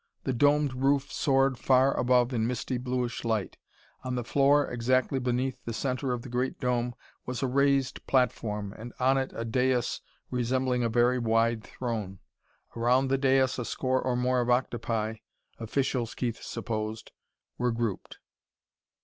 The domed roof soared far above in misty bluish light. On the floor, exactly beneath the center of the great dome, was a raised platform, and on it a dais resembling a very wide throne. Around the dais a score or more of octopi officials, Keith supposed were grouped.